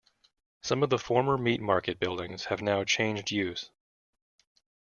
Some of the former meat market buildings have now changed use.